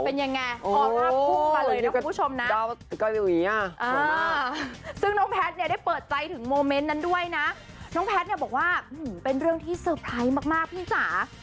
เป็นยังไงอ๋อลาภูมาเลยนะคุณผู้ชมนะ